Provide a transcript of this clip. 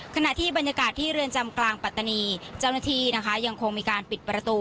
ขณะที่บรรยากาศที่เรือนจำกลางปัตตานีเจ้าหน้าที่นะคะยังคงมีการปิดประตู